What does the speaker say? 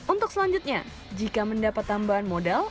untuk selanjutnya jika mendapat tambahan modal